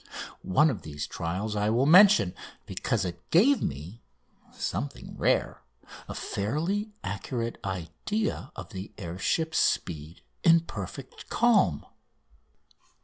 One of these trials I will mention, because it gave me something rare a fairly accurate idea of the air ship's speed in perfect calm.